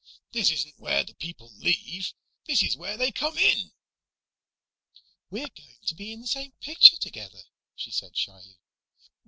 "This isn't where the people leave. This is where they come in!" "We're going to be in the same picture together," she said shyly.